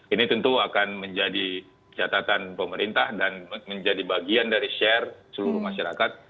ini tentu akan menjadi catatan pemerintah dan menjadi bagian dari share seluruh masyarakat